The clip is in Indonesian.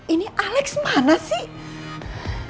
ini alex mana sih